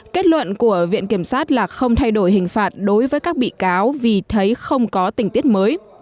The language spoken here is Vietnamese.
kết luận của viện kiểm sát là không thay đổi hình phạt đối với các bị cáo vì thấy không có tình tiết mới